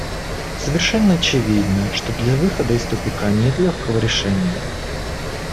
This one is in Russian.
Совершенно очевидно, что для выхода из тупика нет легкого решения.